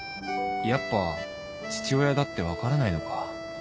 やっぱ父親だって分からないのか